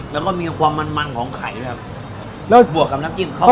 แล้วก็มีความมันมันของไข่นะครับแล้วบวกกับน้ำจิ้มเขา